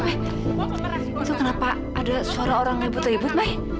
itu kenapa ada suara orang ribut ribut pak